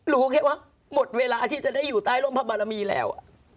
รู้แค่ว่าหมดเวลาที่จะได้อยู่ใต้ร่มพระบารมีแล้ว